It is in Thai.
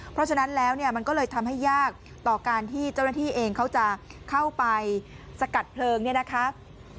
เพราะฉะนั้นแล้วเนี่ยมันก็เลยทำให้ยากต่อการที่เจ้าหน้าที่เองเขาจะเข้าไปสกัดเพลิงเนี่ยนะคะ